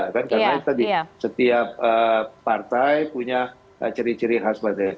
karena tadi setiap partai punya ciri ciri khas